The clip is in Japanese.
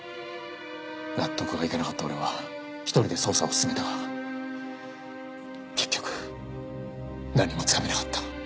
納得がいかなかった俺は一人で捜査を進めたが結局何もつかめなかった。